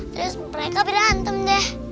terus mereka berantem deh